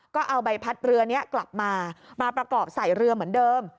ก็เอาใบพัดเรือนี้กลับมามาประกอบใส่เรือเหมือนเดิม